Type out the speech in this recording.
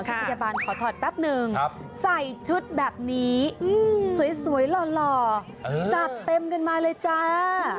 พยาบาลขอถอดแป๊บนึงใส่ชุดแบบนี้สวยหล่อจัดเต็มกันมาเลยจ้า